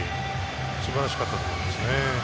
素晴らしかったと思いますね。